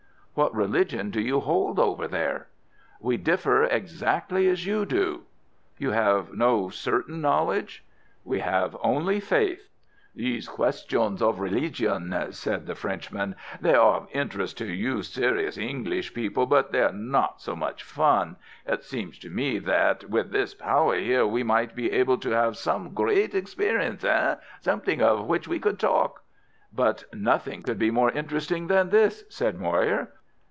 "What religion do you hold over there?" "We differ exactly as you do." "You have no certain knowledge?" "We have only faith." "These questions of religion," said the Frenchman, "they are of interest to you serious English people, but they are not so much fun. It seems to me that with this power here we might be able to have some great experience—hein? Something of which we could talk." "But nothing could be more interesting than this," said Moir.